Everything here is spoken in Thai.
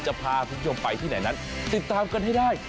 จะพาคุณผู้ชมไปที่ไหนนั้นติดตามกันให้ได้